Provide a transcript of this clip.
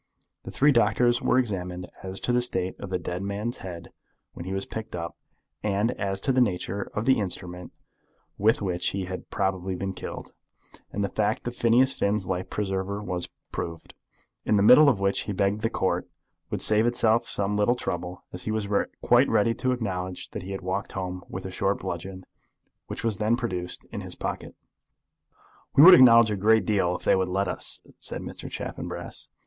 The three doctors were examined as to the state of the dead man's head when he was picked up, and as to the nature of the instrument with which he had probably been killed; and the fact of Phineas Finn's life preserver was proved, in the middle of which he begged that the Court would save itself some little trouble, as he was quite ready to acknowledge that he had walked home with the short bludgeon, which was then produced, in his pocket. "We would acknowledge a great deal if they would let us," said Mr. Chaffanbrass.